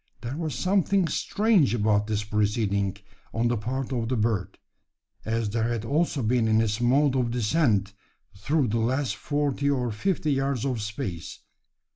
There was something strange about this proceeding on the part of the bird as there had also been in its mode of descent through the last forty or fifty yards of space.